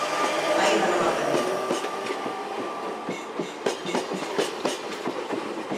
Aínda non aprenderon.